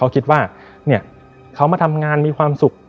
เขามาทำงานมีความสุข